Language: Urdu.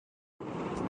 امریکی ساموآ